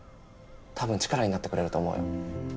多分力になってくれると思うよ。